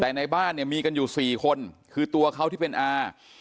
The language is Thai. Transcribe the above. แต่ในบ้านเนี่ยมีกันอยู่๔คนคือตัวเขาที่เป็นอา